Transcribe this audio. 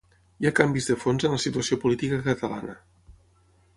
Hi ha canvis de fons en la situació política catalana.